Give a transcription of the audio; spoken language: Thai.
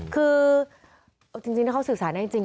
คือจริงถ้าเขาสื่อสารได้จริง